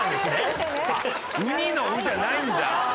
ウニの「ウ」じゃないんだ。